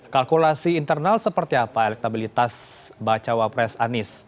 kalkulasi internal seperti apa elektabilitas bacawa pres anies